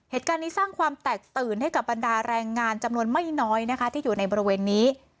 เหตุการณ์นี้สร้างความแตกตื่นให้กับบรรดาแรงงานจำนวนไม่น้อยนะคะที่อยู่ในบริเวณนี้